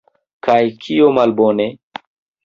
Kaj kio malbone?